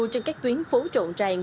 trên các tuyến phố rộn ràng